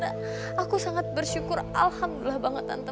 aku sangat bersyukur alhamdulillah banget tante